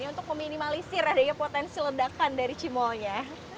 untuk meminimalisir adanya potensi ledakan dari cimolnya